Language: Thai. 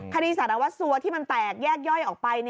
คดีสารวัสสัวที่มันแตกแยกย่อยออกไป